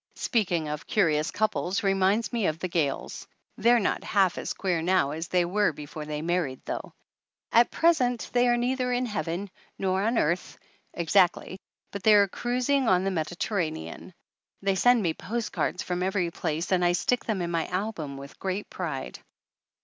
Speaking of curious couples reminds me of the Gayles. They're not half as queer now as they were before they married though. At present they are neither in Heaven, nor on earth, exactly, but they are cruising on the Med iterranean. They send me post cards from 274 THE ANNALS OF ANN every place and I stick them in my album with great pride.